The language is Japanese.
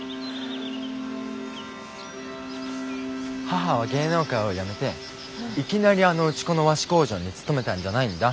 母は芸能界を辞めていきなりあの内子の和紙工場に勤めたんじゃないんだ。